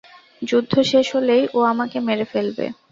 যুদ্ধ শেষ হলেই ও আমাকে মেরে ফেলবে।